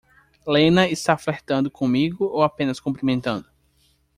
Lena está flertando comigo ou apenas cumprimentando?